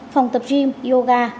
phòng tập gym yoga